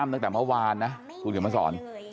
ที่ทนายตั้มตั้งแต่เมื่อวานนะถูกเดี๋ยวมาสอน